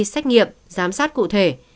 xét nghiệm giám sát cụ thể